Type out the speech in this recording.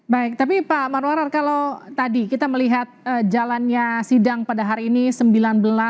baik tapi pak marwarar kalau tadi kita melihat jalannya sidang pada hari ini sembilan belas